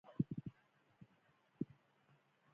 د هغه مرستیال د یوې شیبې لپاره ووت.